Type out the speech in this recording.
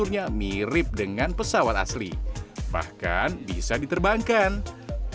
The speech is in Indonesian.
tapi diberikan segala untuk menjadi santri yang kreatif